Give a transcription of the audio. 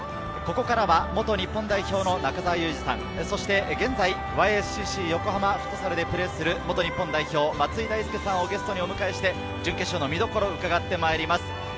ここからは元日本代表の中澤佑二さん、現在Ｙ．Ｓ．Ｃ．Ｃ．横浜フットサルでプレーする元日本代表・松井大輔さんをゲストにお迎えして準決勝の見どころを伺ってまいります。